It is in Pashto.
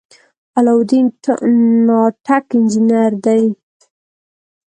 علاالدین ناټک انجنیر دی.